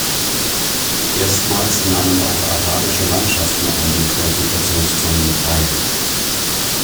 Erstmals nahmen auch arabische Mannschaften an dem Qualifikationsturnier teil.